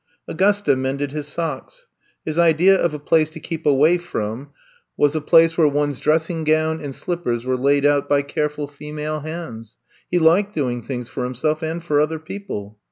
Augusta mended his socks. Hia idea of a place to keep away from was a 77 78 I'VE COME TO STAY place where one's dressing gown and slip pers were laid out by careful female hands. He liked doing things for himself and for other people.